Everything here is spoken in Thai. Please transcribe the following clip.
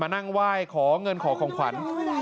อ๋อเงินของของขวัญ